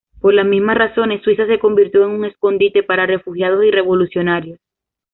Por las mismas razones, Suiza se convirtió en un escondite para refugiados y revolucionarios.